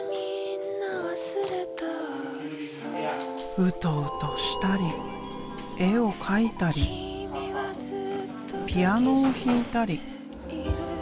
ウトウトしたり絵を描いたりピアノを弾いたり。